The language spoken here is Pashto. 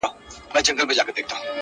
غوړېدلی به ټغر وي د خوښیو اخترونو.!